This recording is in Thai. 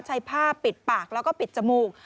ผ้าปิดปากแล้วก็ปิดจมูก